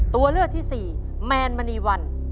ตัวเลือกที่สี่แมนมณีวัน